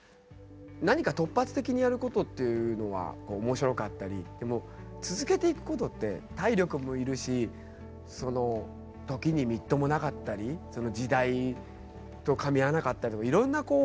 何か突発的にやることっていうのはこう面白かったりでも続けていくことって体力もいるしその時にみっともなかったりその時代とかみ合わなかったりとかいろんなこうあるじゃないですか。